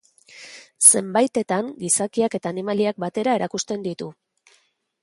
Zenbaitetan, gizakiak eta animaliak batera erakusten ditu.